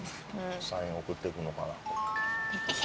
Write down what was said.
サイン送ってくるのかな？